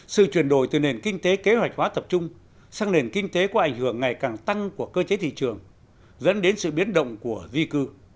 sự chuyển đổi từ nền kinh tế kế hoạch hóa tập trung sang nền kinh tế có ảnh hưởng ngày càng tăng của cơ chế thị trường dẫn đến sự biến động của di cư